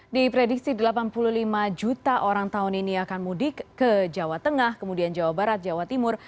di prediksi delapan puluh lima juta orang tahun ini akan mudik ke jawa tengah kemudian jawa barat jawa timur